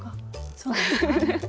そうなんですか。